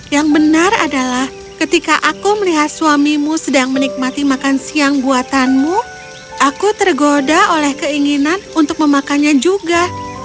yang benar adalah ketika aku melihat suamimu sedang menikmati makan siang buatanmu aku tergoda oleh keinginan untuk memakannya juga